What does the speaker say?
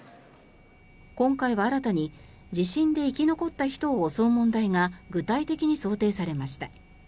今回は新たに地震で生き残った人を襲う問題が具体的に想定されました。